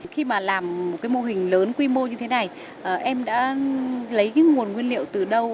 khi mà làm một cái mô hình lớn quy mô như thế này em đã lấy cái nguồn nguyên liệu từ đâu